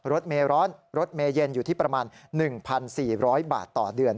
รถเมร้อนรถเมเย็นอยู่ที่ประมาณ๑๔๐๐บาทต่อเดือน